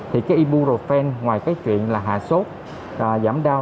thì cái ibuprofen ngoài cái chuyện là hạ sốt giảm đau